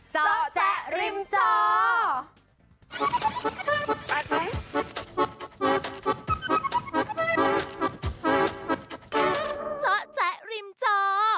เจาะแจ๊ะริมจอ